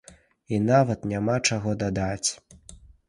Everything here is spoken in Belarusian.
І нават няма чаго дадаць.